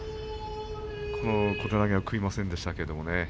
この小手投げを食いませんでしたけれど。